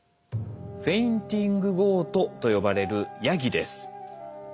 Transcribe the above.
フェインティングゴートと呼ばれるヤギです。